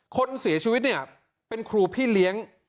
คนเสียชีวิตเนี่ยเป็นครูพี่เลี้ยง